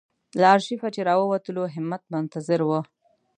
له آرشیفه چې راووتلو همت منتظر و.